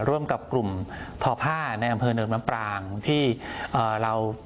ร่วมกับกลุ่มทอผ้าในอำเภอเนินน้ำปรางที่เรา